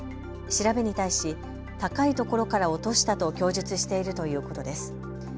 調べに対し高いところから落としたと供述しているということです。